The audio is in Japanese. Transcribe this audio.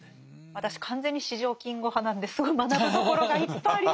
私完全に四条金吾派なんですごい学ぶところがいっぱいありますよ。